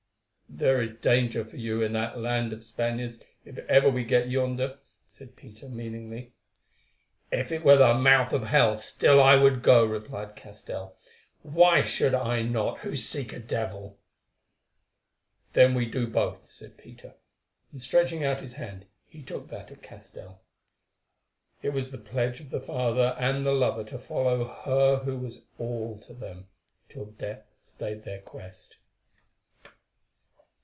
"There is danger for you in that land of Spaniards, if ever we get yonder," said Peter meaningly. "If it were the mouth of hell, still I would go," replied Castell. "Why should I not who seek a devil?" "That we do both," said Peter, and stretching out his hand he took that of Castell. It was the pledge of the father and the lover to follow her who was all to them, till death stayed their quest.